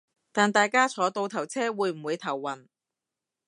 但大家坐倒頭車會唔會頭暈